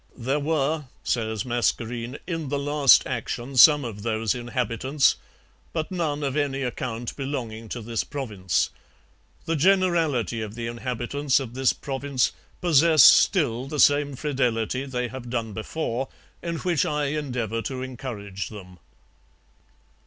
'There were,' says Mascarene, 'in the last action some of those inhabitants, but none of any account belonging to this province... The generality of the inhabitants of this province possess still the same fidelity they have done before, in which I endeavour to encourage them.'